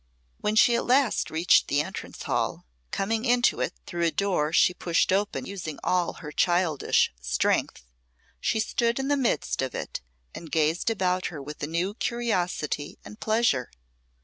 When she at last reached the entrance hall, coming into it through a door she pushed open, using all her childish strength, she stood in the midst of it and gazed about her with a new curiosity and pleasure.